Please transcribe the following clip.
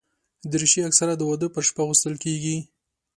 دریشي اکثره د واده پر شپه اغوستل کېږي.